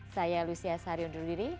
saya lucia sari undur diri